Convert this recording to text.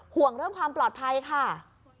ห่วงเรื่องความปลอดภัยค่ะ